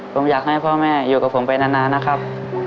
ผมอยากให้พ่อแม่อยู่กับผมไปนานนะครับ